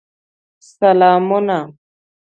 سلامونه